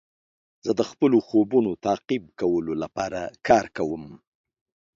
زه د خپلو خوبونو تعقیب کولو لپاره کار کوم.